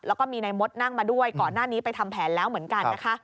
แล้วก็มีนายมดนั่งมาด้วยก่อนหน้านี้ไปทำแผนแล้วเหมือนกันนะคะ